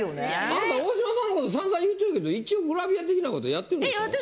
あなた大島さんの事散々言うてるけど一応グラビア的な事やってるでしょ？